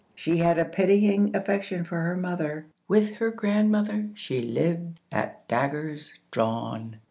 She had a pitying affection for her mother. With her grandmother she lived at daggers drawn.